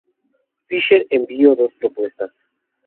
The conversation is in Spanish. Fisher envió dos propuestas.